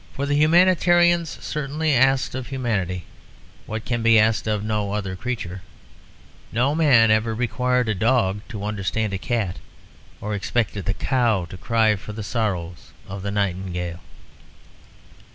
For the humanitarians certainly asked of humanity what can be asked of no other creature; no man ever required a dog to understand a cat or expected the cow to cry for the sorrows of the nightingale.